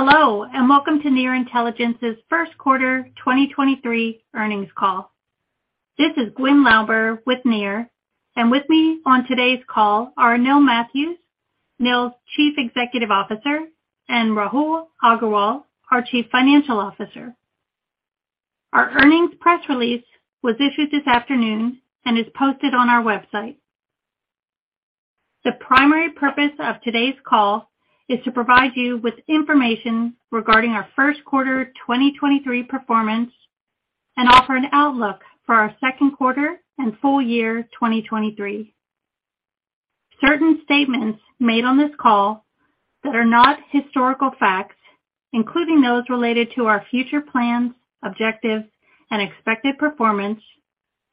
Hello, welcome to Near Intelligence's Q1 2023 earnings call. This is Gwen Lauber with Near, and with me on today's call are Anil Mathews, Near's Chief Executive Officer, and Rahul Agarwal, our Chief Financial Officer. Our earnings press release was issued this afternoon and is posted on our website. The primary purpose of today's call is to provide you with information regarding our Q1 2023 performance and offer an outlook for our Q2 and full year 2023. Certain statements made on this call that are not historical facts, including those related to our future plans, objectives, and expected performance,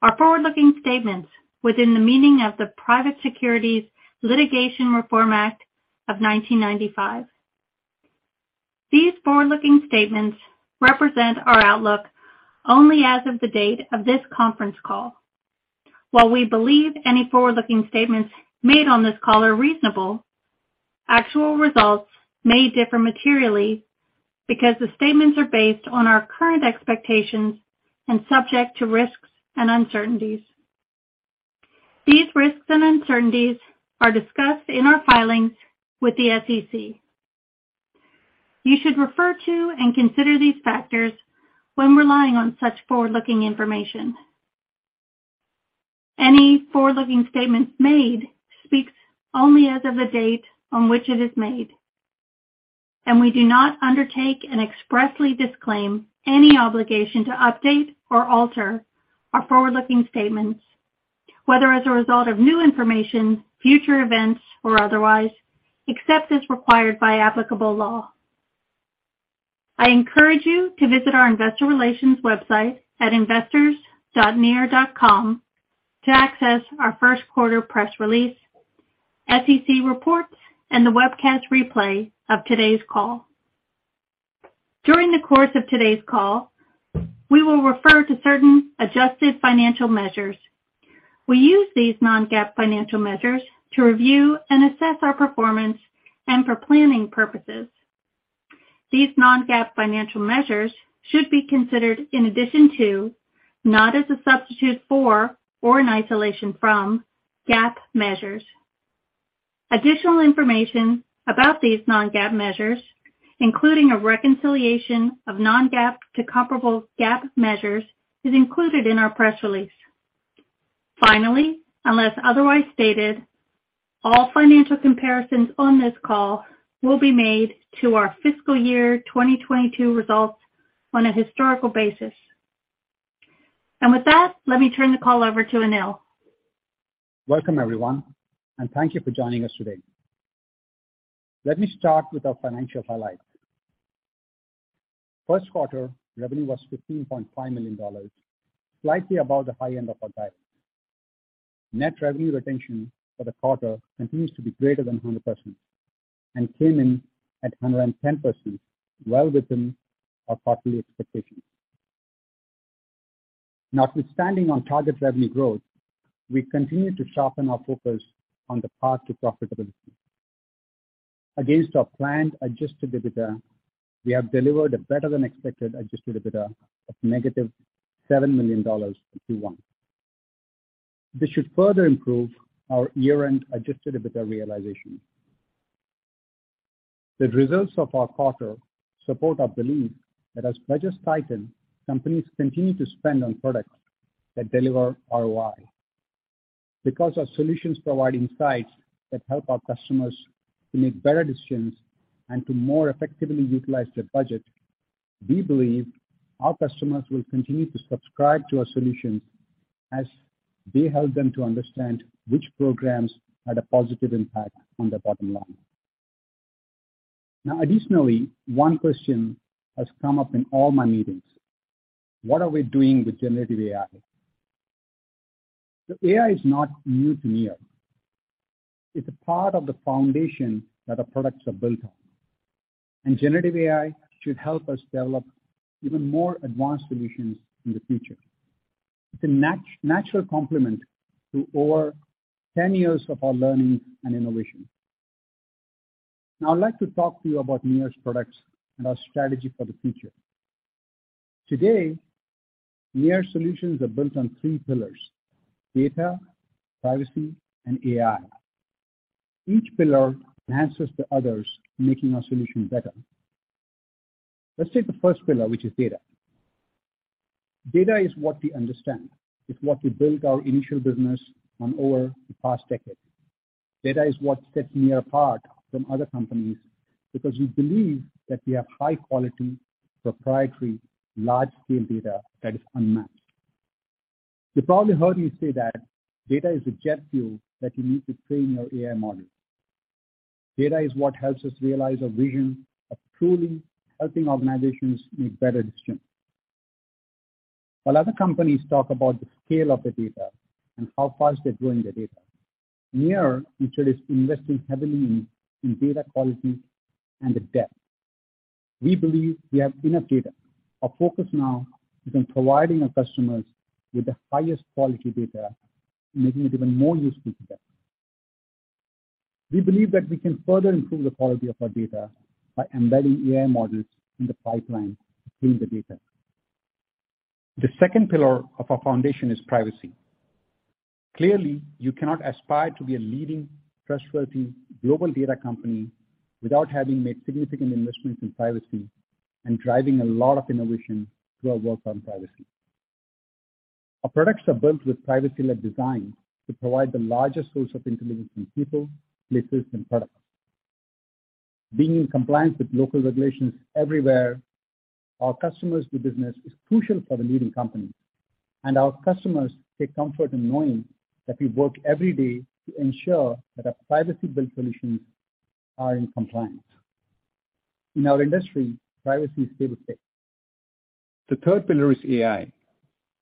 are forward-looking statements within the meaning of the Private Securities Litigation Reform Act of 1995. These forward-looking statements represent our outlook only as of the date of this conference call. While we believe any forward-looking statements made on this call are reasonable, actual results may differ materially because the statements are based on our current expectations and subject to risks and uncertainties. These risks and uncertainties are discussed in our filings with the SEC. You should refer to and consider these factors when relying on such forward-looking information. Any forward-looking statement made speaks only as of the date on which it is made, and we do not undertake and expressly disclaim any obligation to update or alter our forward-looking statements, whether as a result of new information, future events, or otherwise, except as required by applicable law. I encourage you to visit our investor relations website at investors.near.com to access our first quarter press release, SEC reports, and the webcast replay of today's call. During the course of today's call, we will refer to certain adjusted financial measures. We use these non-GAAP financial measures to review and assess our performance and for planning purposes. These non-GAAP financial measures should be considered in addition to, not as a substitute for, or in isolation from GAAP measures. Additional information about these non-GAAP measures, including a reconciliation of non-GAAP to comparable GAAP measures, is included in our press release. Finally, unless otherwise stated, all financial comparisons on this call will be made to our fiscal year 2022 results on a historical basis. With that, let me turn the call over to Anil. Welcome, everyone, and thank you for joining us today. Let me start with our financial highlights. Q1 revenue was $15.5 million, slightly above the high end of our guidance. Net revenue retention for the quarter continues to be greater than 100% and came in at 110%, well within our quarterly expectations. Notwithstanding on target revenue growth, we continue to sharpen our focus on the path to profitability. Against our planned adjusted EBITDA, we have delivered a better-than-expected adjusted EBITDA of -$7 million in Q1. This should further improve our year-end adjusted EBITDA realization. The results of our quarter support our belief that as budgets tighten, companies continue to spend on products that deliver ROI. Because our solutions provide insights that help our customers to make better decisions and to more effectively utilize their budget, we believe our customers will continue to subscribe to our solutions as they help them to understand which programs had a positive impact on their bottom line. Additionally, one question has come up in all my meetings. What are we doing with generative AI? The AI is not new to Near. It's a part of the foundation that our products are built on, and generative AI should help us develop even more advanced solutions in the future. It's a natural complement to over 10 years of our learning and innovation. I'd like to talk to you about Near's products and our strategy for the future. Today, Near solutions are built on three pillars: data, privacy, and AI. Each pillar enhances the others, making our solution better. Let's take the first pillar, which is data. Data is what we understand. It's what we built our initial business on over the past decade. Data is what sets Near apart from other companies because we believe that we have high-quality, proprietary, large-scale data that is unmatched. You probably heard me say that data is the jet fuel that you need to train your AI model. Data is what helps us realize our vision of truly helping organizations make better decisions. While other companies talk about the scale of the data and how fast they're growing their data, Near continues investing heavily in data quality and the depth. We believe we have enough data. Our focus now is on providing our customers with the highest quality data, making it even more useful to them. We believe that we can further improve the quality of our data by embedding AI models in the pipeline to clean the data. The second pillar of our foundation is privacy. Clearly, you cannot aspire to be a leading, trustworthy global data company without having made significant investments in privacy and driving a lot of innovation through our work on privacy. Our products are built with privacy-led design to provide the largest source of intelligence on people, places, and products. Being in compliance with local regulations everywhere our customers do business is crucial for the leading company, and our customers take comfort in knowing that we work every day to ensure that our privacy-built solutions are in compliance. In our industry, privacy is table stakes. The third pillar is AI.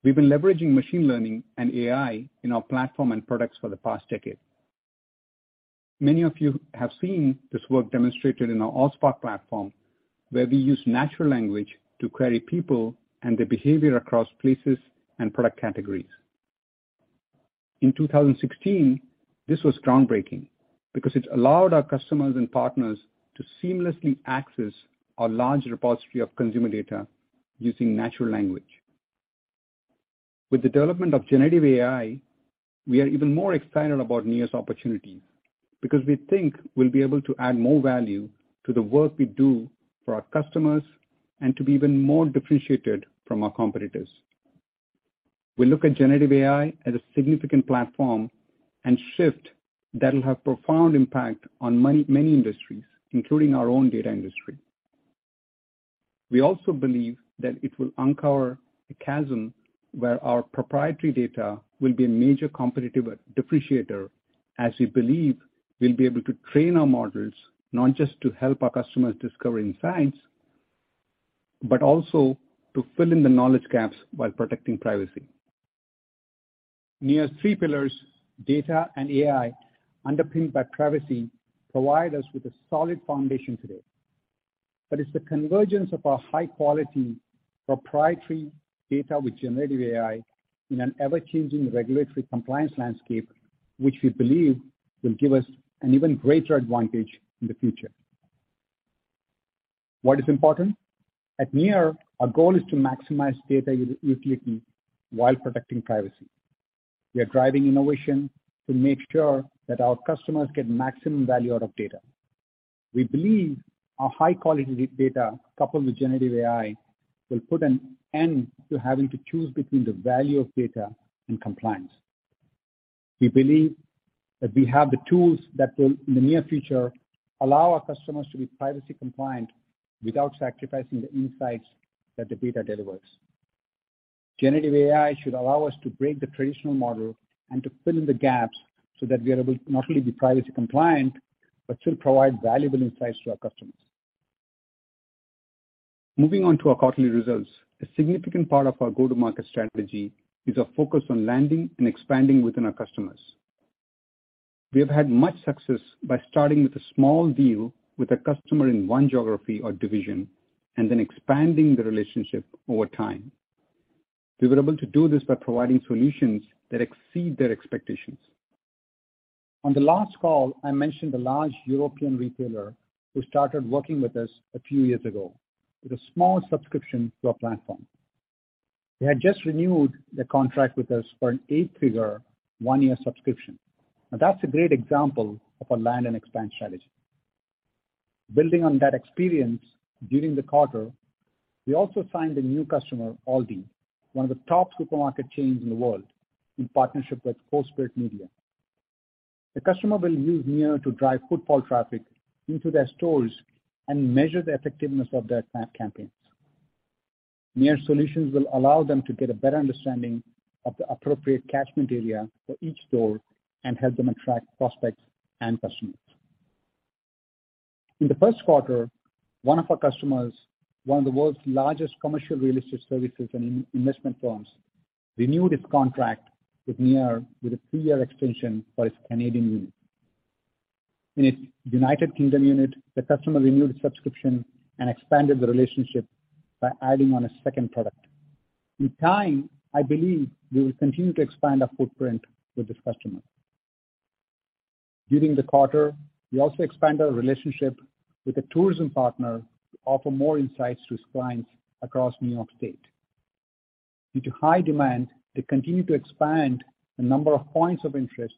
We've been leveraging machine learning and AI in our platform and products for the past decade. Many of you have seen this work demonstrated in our Allspark platform, where we use natural language to query people and their behavior across places and product categories. In 2016, this was groundbreaking because it allowed our customers and partners to seamlessly access our large repository of consumer data using natural language. With the development of generative AI, we are even more excited about Near's opportunity because we think we'll be able to add more value to the work we do for our customers and to be even more differentiated from our competitors. We look at generative AI as a significant platform and shift that'll have profound impact on many industries, including our own data industry. We also believe that it will uncover a chasm where our proprietary data will be a major competitive differentiator, as we believe we'll be able to train our models not just to help our customers discover insights, but also to fill in the knowledge gaps while protecting privacy. Near's three pillars, data and AI underpinned by privacy, provide us with a solid foundation today. It's the convergence of our high-quality proprietary data with generative AI in an ever-changing regulatory compliance landscape, which we believe will give us an even greater advantage in the future. Why it is important? At Near, our goal is to maximize data utility while protecting privacy. We are driving innovation to make sure that our customers get maximum value out of data. We believe our high-quality data coupled with generative AI will put an end to having to choose between the value of data and compliance. We believe that we have the tools that will, in the near future, allow our customers to be privacy compliant without sacrificing the insights that the data delivers. Generative AI should allow us to break the traditional model and to fill in the gaps so that we are able to not only be privacy compliant, but still provide valuable insights to our customers. Moving on to our quarterly results. A significant part of our go-to-market strategy is our focus on landing and expanding within our customers. We have had much success by starting with a small deal with a customer in one geography or division, and then expanding the relationship over time. We were able to do this by providing solutions that exceed their expectations. On the last call, I mentioned a large European retailer who started working with us a few years ago with a small subscription to our platform. They had just renewed their contract with us for an eight-figure one-year subscription. That's a great example of our land and expand strategy. Building on that experience, during the quarter, we also signed a new customer, ALDI, one of the top supermarket chains in the world, in partnership with CoSpirit Media. The customer will use Near to drive footfall traffic into their stores and measure the effectiveness of their campaigns. Near solutions will allow them to get a better understanding of the appropriate catchment area for each store and help them attract prospects and customers. In the Q1, one of our customers, one of the world's largest commercial real estate services and in-investment firms, renewed its contract with Near with a three-year extension for its Canadian unit. In its United Kingdom unit, the customer renewed subscription and expanded the relationship by adding on a second product. In time, I believe we will continue to expand our footprint with this customer. During the quarter, we also expanded our relationship with a tourism partner to offer more insights to its clients across New York State. Due to high demand, they continue to expand the number of points of interest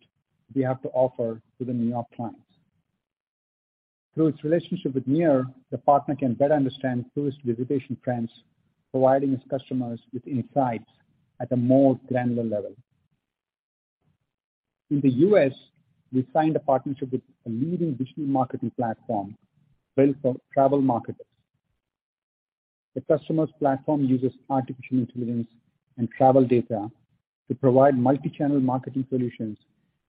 we have to offer to the New York clients. Through its relationship with Near, the partner can better understand tourist visitation trends, providing its customers with insights at a more granular level. In the U.S., we signed a partnership with a leading digital marketing platform built for travel marketers. The customer's platform uses artificial intelligence and travel data to provide multi-channel marketing solutions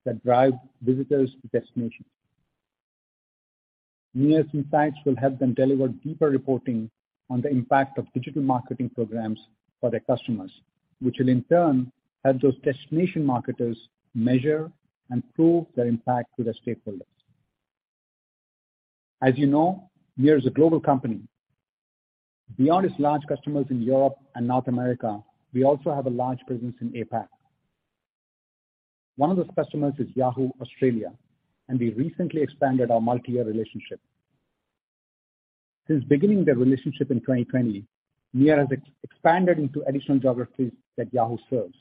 that drive visitors to destinations. Near's insights will help them deliver deeper reporting on the impact of digital marketing programs for their customers, which will in turn help those destination marketers measure and prove their impact to their stakeholders. As you know, Near is a global company. Beyond its large customers in Europe and North America, we also have a large presence in APAC. One of those customers is Yahoo Australia, and we recently expanded our multi-year relationship. Since beginning the relationship in 2020, Near has expanded into additional geographies that Yahoo serves.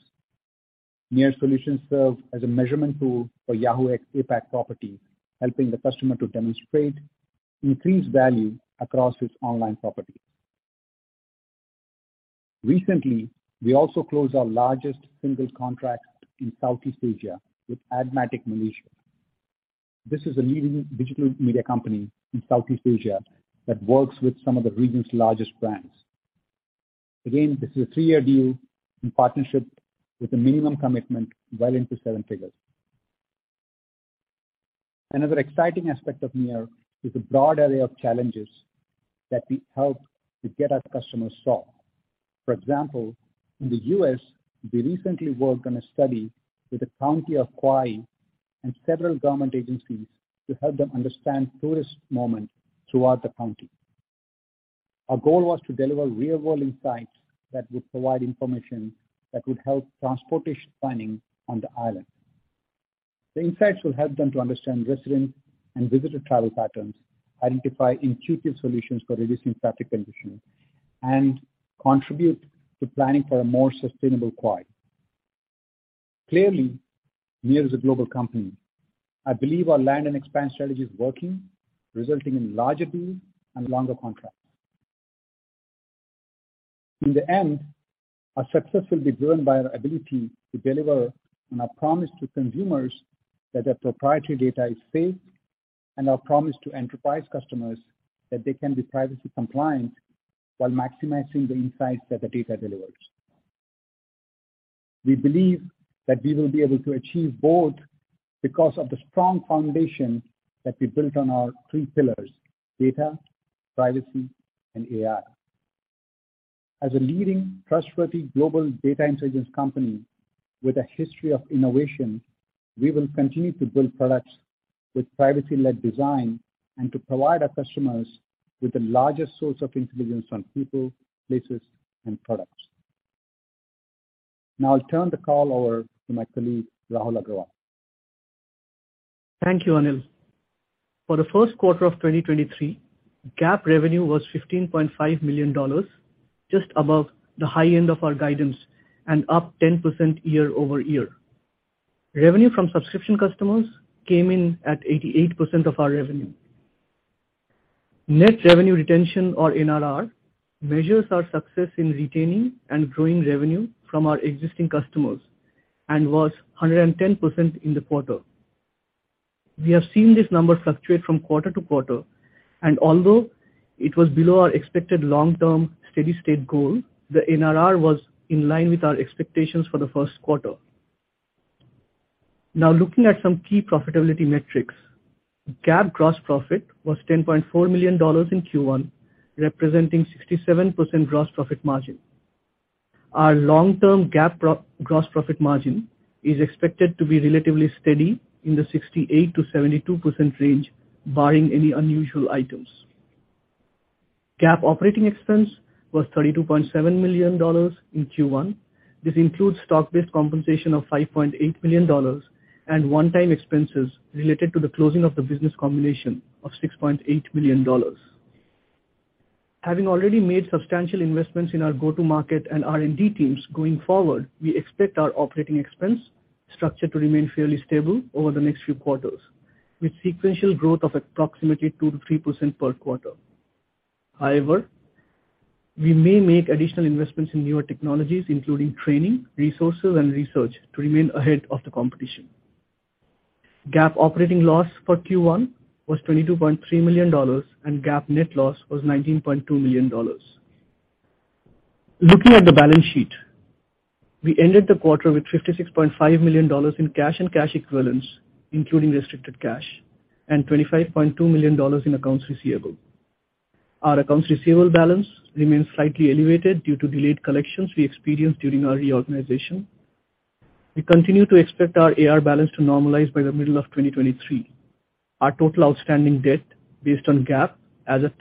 Near Solutions serve as a measurement tool for Yahoo APAC property, helping the customer to demonstrate increased value across its online property. Recently, we also closed our largest single contract in Southeast Asia with ADMATIC Malaysia. This is a leading digital media company in Southeast Asia that works with some of the region's largest brands. Again, this is a three year deal in partnership with a minimum commitment well into seven figures. Another exciting aspect of Near is the broad array of challenges that we help to get our customers solve. For example, in the U.S., we recently worked on a study with the County of Kauai and several government agencies to help them understand tourist movement throughout the county. Our goal was to deliver real-world insights that would provide information that would help transportation planning on the island. The insights will help them to understand resident and visitor travel patterns, identify intuitive solutions for reducing traffic conditions, and contribute to planning for a more sustainable Kauai. Clearly, Near is a global company. I believe our land and expand strategy is working, resulting in larger deals and longer contracts. In the end, our success will be driven by our ability to deliver on our promise to consumers that their proprietary data is safe, and our promise to enterprise customers that they can be privacy compliant while maximizing the insights that the data delivers. We believe that we will be able to achieve both because of the strong foundation that we built on our three pillars: data, privacy, and AI. As a leading, trustworthy global data intelligence company with a history of innovation, we will continue to build products with privacy-led design and to provide our customers with the largest source of intelligence on people, places, and products. I'll turn the call over to my colleague, Rahul Agarwal. Thank you, Anil. For the Q1 of 2023, GAAP revenue was $15.5 million, just above the high end of our guidance and up 10% year-over-year. Revenue from subscription customers came in at 88% of our revenue. Net revenue retention, or NRR, measures our success in retaining and growing revenue from our existing customers and was 110% in the quarter. We have seen this number fluctuate from quarter-to-quarter, and although it was below our expected long-term steady-state goal, the NRR was in line with our expectations for the Q1. Now looking at some key profitability metrics. GAAP gross profit was $10.4 million in Q1, representing 67% gross profit margin. Our long-term GAAP pro-gross profit margin is expected to be relatively steady in the 68%-72% range, barring any unusual items. GAAP operating expense was $32.7 million in Q1. This includes stock-based compensation of $5.8 million and one-time expenses related to the closing of the business combination of $6.8 million. Having already made substantial investments in our go-to-market and R&D teams, going forward, we expect our operating expense structure to remain fairly stable over the next few quarters, with sequential growth of approximately 2%-3% per quarter. We may make additional investments in newer technologies, including training, resources, and research to remain ahead of the competition. GAAP operating loss for Q1 was $22.3 million, GAAP net loss was $19.2 million. Looking at the balance sheet. We ended the quarter with $56.5 million in cash and cash equivalents, including restricted cash, and $25.2 million in accounts receivable. Our accounts receivable balance remains slightly elevated due to delayed collections we experienced during our reorganization. We continue to expect our AR balance to normalize by the middle of 2023. Our total outstanding debt based on GAAP as of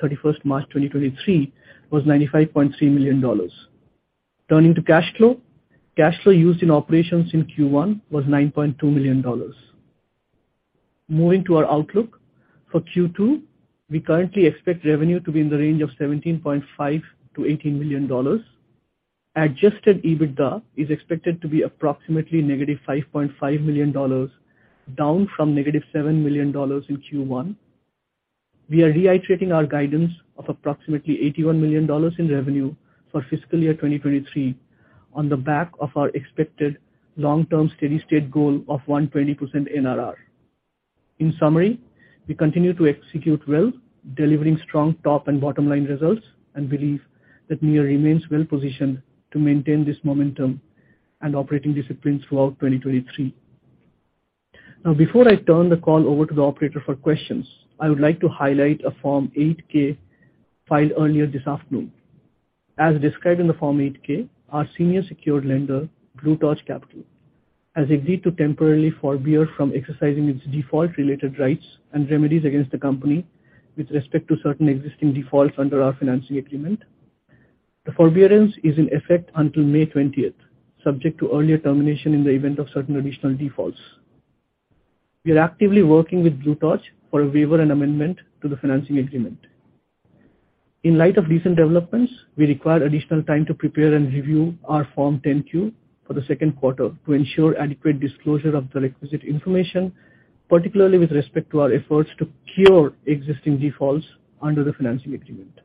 March 31st 2023 was $95.3 million. Turning to cash flow. Cash flow used in operations in Q1 was $9.2 million. Moving to our outlook. For Q2, we currently expect revenue to be in the range of $17.5 million-$18 million. Adjusted EBITDA is expected to be approximately -$5.5 million, down from -$7 million in Q1. We are reiterating our guidance of approximately $81 million in revenue for fiscal year 2023 on the back of our expected long-term steady-state goal of 120% NRR. In summary, we continue to execute well, delivering strong top and bottom line results and believe that Near remains well positioned to maintain this momentum and operating discipline throughout 2023. Before I turn the call over to the operator for questions, I would like to highlight a Form 8-K filed earlier this afternoon. As described in the Form 8-K, our senior secured lender, Blue Torch Capital, has agreed to temporarily forbear from exercising its default-related rights and remedies against the company with respect to certain existing defaults under our financing agreement. The forbearance is in effect until May 20th, subject to earlier termination in the event of certain additional defaults. We are actively working with Blue Torch for a waiver and amendment to the financing agreement. In light of recent developments, we require additional time to prepare and review our Form 10-Q for the Q2 to ensure adequate disclosure of the requisite information, particularly with respect to our efforts to cure existing defaults under the financing agreement.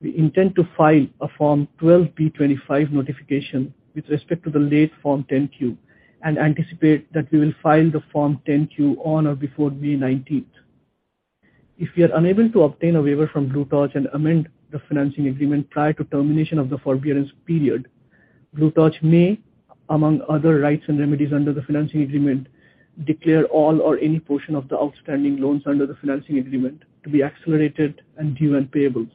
We intend to file a Form 12b-25 notification with respect to the late Form 10-Q and anticipate that we will file the Form 10-Q on or before May 19th. If we are unable to obtain a waiver from Blue Torch and amend the financing agreement prior to termination of the forbearance period, Blue Torch may, among other rights and remedies under the financing agreement, declare all or any portion of the outstanding loans under the financing agreement to be accelerated and due and payable.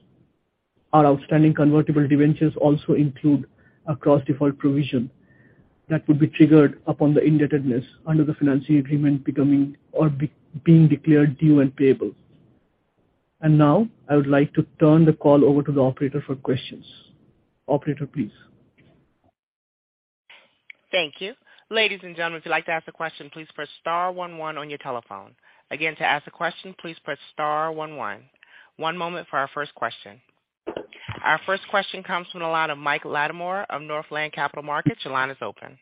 Our outstanding convertible debentures also include a cross-default provision that would be triggered upon the indebtedness under the financing agreement becoming or being declared due and payable. Now, I would like to turn the call over to the operator for questions. Operator, please. Thank you. Ladies and gentlemen, if you'd like to ask a question, please press star one one on your telephone. Again, to ask a question, please press star one one. One moment for our first question. Our first question comes from the line of Michael Latimore of Northland Capital Markets. Your line is open.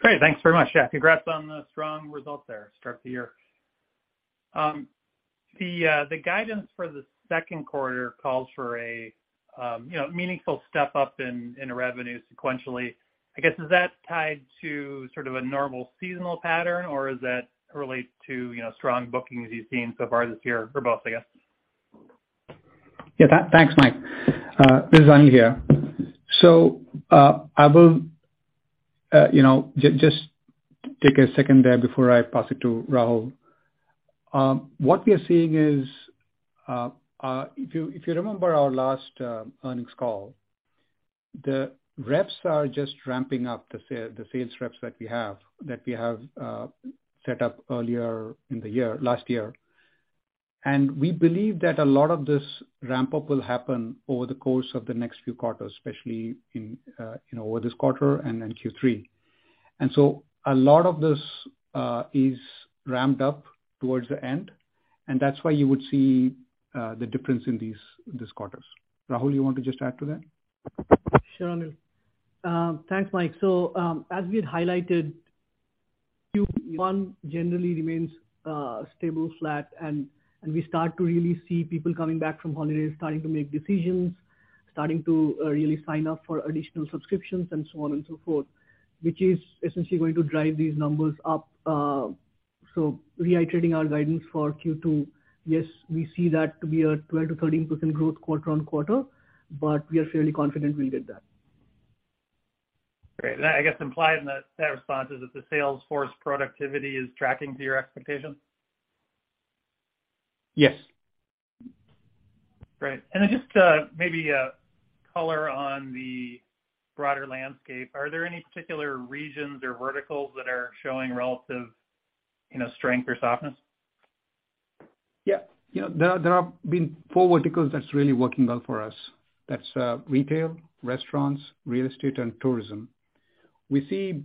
Great. Thanks very much. Yeah, congrats on the strong results there start the year. The guidance for the Q2 calls for a, you know, meaningful step up in revenue sequentially. I guess, is that tied to sort of a normal seasonal pattern, or is that related to, you know, strong bookings you've seen so far this year, or both, I guess? Thanks, Mike. This is Anil here. I will, you know, just take a second there before I pass it to Rahul. What we are seeing is, if you, if you remember our last earnings call, the reps are just ramping up, the sales reps that we have set up earlier in the year, last year. We believe that a lot of this ramp-up will happen over the course of the next few quarters, especially in, you know, over this quarter and in Q3. A lot of this is ramped up towards the end, and that's why you would see the difference in these quarters. Rahul, you want to just add to that? Sure, Anil. Thanks, Mike. As we had highlighted, Q1 generally remains stable, flat, and we start to really see people coming back from holidays, starting to make decisions, starting to really sign up for additional subscriptions and so on and so forth, which is essentially going to drive these numbers up. Reiterating our guidance for Q2, yes, we see that to be a 12%-13% growth quarter-on-quarter, but we are fairly confident we'll get that. Great. I guess implied in that response is that the sales force productivity is tracking to your expectations? Yes. Great. Just, maybe, color on the broader landscape. Are there any particular regions or verticals that are showing relative, you know, strength or softness? Yeah. You know, there are been four verticals that's really working well for us. That's retail, restaurants, real estate, and tourism. We see,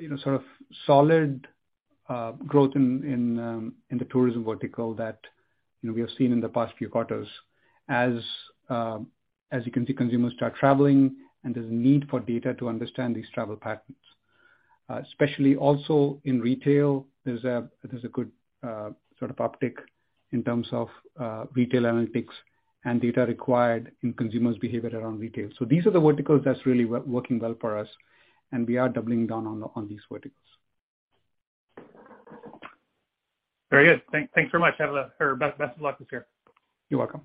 you know, sort of solid growth in the tourism vertical that, you know, we have seen in the past few quarters as you can see consumers start traveling and there's a need for data to understand these travel patterns. especially also in retail, there's a good sort of uptick in terms of retail analytics and data required in consumers' behavior around retail. These are the verticals that's really working well for us, and we are doubling down on these verticals. Very good. Thanks very much. Best of luck this year. You're welcome.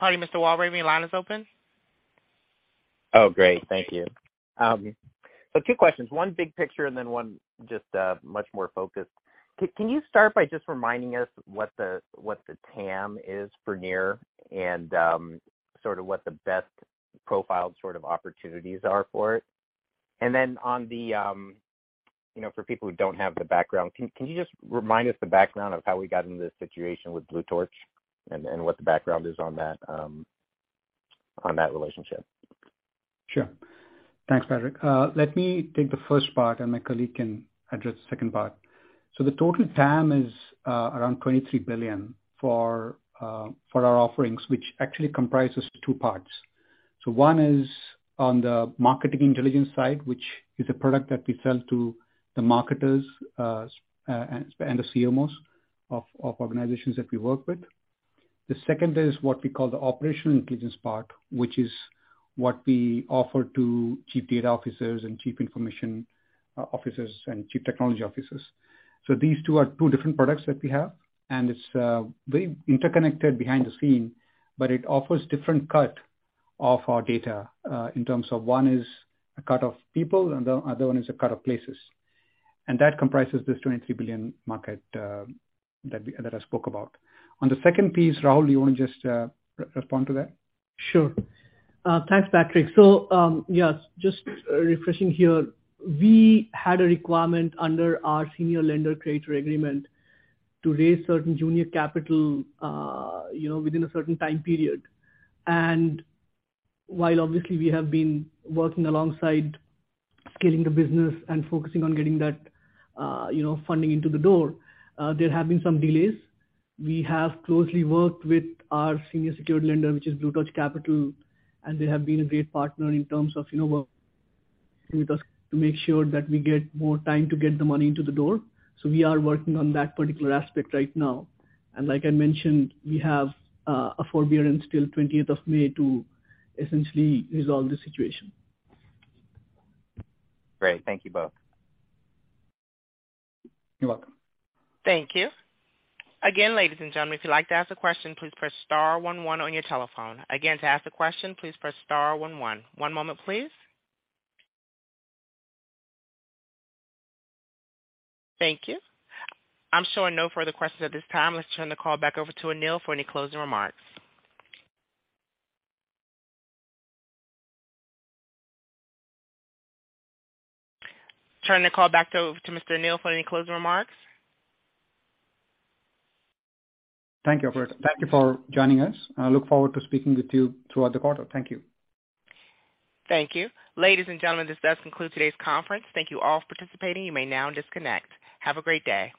Hi, Mr. Walravens, your line is open. Great. Thank you. Two questions. One big picture and then one just much more focused. Can you start by just reminding us what the TAM is for Near and sort of what the best profiled sort of opportunities are for it? Then on the, you know, for people who don't have the background, can you just remind us the background of how we got into this situation with Blue Torch and what the background is on that relationship? Sure. Thanks, Patrick. Let me take the first part and my colleague can address the second part. The total TAM is around $23 billion for our offerings, which actually comprises two parts. One is on the market intelligence side, which is a product that we sell to the marketers and the CMOs of organizations that we work with. The second is what we call the operational intelligence part, which is what we offer to chief data officers and chief information officers and chief technology officers. These two are two different products that we have, and it's very interconnected behind the scene, but it offers different cut of our data in terms of one is a cut of people and the other one is a cut of places. That comprises this $23 billion market, that I spoke about. On the second piece, Rahul, do you want to just re-respond to that? Sure. Thanks, Patrick. Yes, just refreshing here. We had a requirement under our senior lender creator agreement to raise certain junior capital, you know, within a certain time period. While obviously we have been working alongside scaling the business and focusing on getting that, you know, funding into the door, there have been some delays. We have closely worked with our senior secured lender, which is Blue Torch Capital, and they have been a great partner in terms of, you know, working with us to make sure that we get more time to get the money into the door. We are working on that particular aspect right now. Like I mentioned, we have a forbearance till 20th of May to essentially resolve the situation. Great. Thank you both. You're welcome. Thank you. Again, ladies and gentlemen, if you'd like to ask a question, please press star one one on your telephone. Again, to ask a question, please press star one one. One moment, please. Thank you. I'm showing no further questions at this time. Let's turn the call back over to Anil for any closing remarks. Turning the call back to Mr. Anil for any closing remarks. Thank you, operator. Thank you for joining us, and I look forward to speaking with you throughout the quarter. Thank you. Thank you. Ladies and gentlemen, this does conclude today's conference. Thank you all for participating. You may now disconnect. Have a great day.